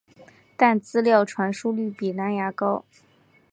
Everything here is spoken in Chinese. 但资料传输率比蓝牙高。